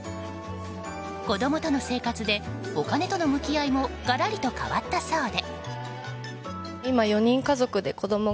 子供との生活でお金との向き合いもがらりと変わったそうで。